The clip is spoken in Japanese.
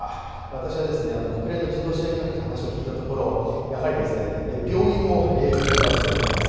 私は国連の人道支援関係者に話を聞きましたがやはり病院も空爆されています。